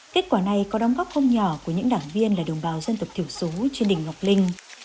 kết quả này có đóng góp không nhỏ của những đảng viên là đồng bào dân tộc thiểu số trên đỉnh ngọc linh